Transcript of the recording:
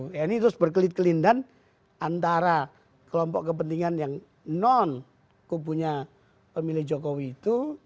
ya ini terus berkelit kelindan antara kelompok kepentingan yang non kubunya pemilih jokowi itu